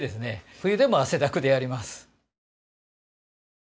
冬でも汗だくでやります。